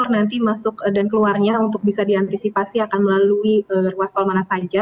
nanti masuk dan keluarnya untuk bisa diantisipasi akan melalui ruas tol mana saja